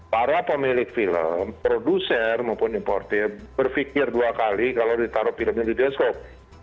para pemilik film produser maupun importer berpikir dua kali kalau ditaruh filmnya di bioskop